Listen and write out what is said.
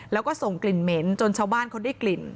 แล้วก็ส่งกลิ่นเหม็นจนชาวบ้านเขาได้กลิ่น